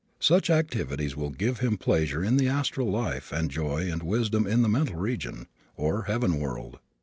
Such activities will give him pleasure in the astral life and joy and wisdom in the mental region, or heaven world.